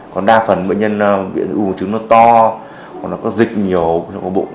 còn đa phần bệnh nhân bị ung thư buồng trứng nó to nó có dịch nhiều trong bụng